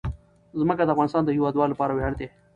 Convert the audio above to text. ځمکه د افغانستان د هیوادوالو لپاره ویاړ دی.